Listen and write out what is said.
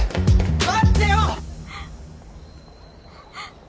待ってよ！